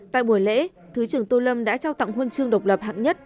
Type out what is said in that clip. tại buổi lễ thứ trưởng tô lâm đã trao tặng huân chương độc lập hạng nhất